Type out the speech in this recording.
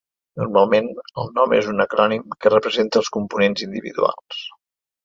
Normalment, el nom és un acrònim que representa els components individuals.